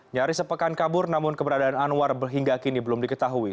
nyaris sepekan kabur namun keberadaan anwar hingga kini belum diketahui